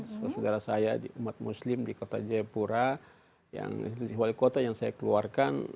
saudara saudara saya di umat muslim di kota jayapura yang institusi wali kota yang saya keluarkan